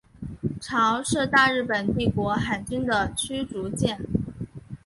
潮是大日本帝国海军的驱逐舰。